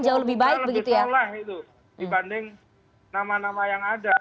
jauh lebih baik begitu ya